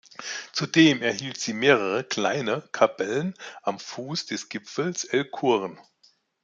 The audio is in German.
Zudem erhielt sie mehrere kleine Kapellen am Fuß des Gipfels "el-Qurn".